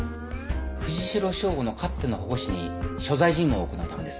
藤代省吾のかつての保護司に所在尋問を行うためです。